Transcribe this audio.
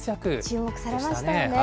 注目されましたよね。